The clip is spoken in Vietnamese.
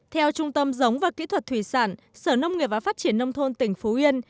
theo trung tâm giống và kỹ thuật thủy sản sở nông nghiệp và phát triển nông thôn tỉnh phú yên